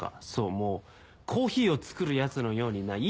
もうコーヒーを作るやつのようにない